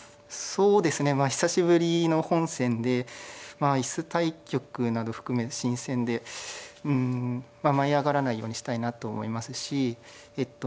そうですねまあ久しぶりの本戦でまあ椅子対局など含め新鮮でまあ舞い上がらないようにしたいなと思いますしえっと